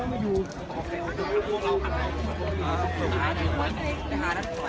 มีผู้ที่ได้รับบาดเจ็บและถูกนำตัวส่งโรงพยาบาลเป็นผู้หญิงวัยกลางคน